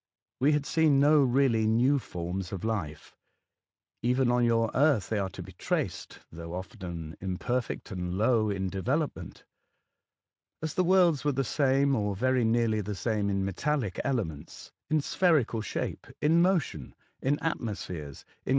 We had seen no really new forms of life. Even on your Earth they are to be traced, though often imperfect and low in development. As the worlds were the same, or very nearly the same, in metallic elements, in spherical shape, in motion, in atmospheres, in Titan.